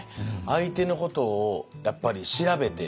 相手のことをやっぱり調べて。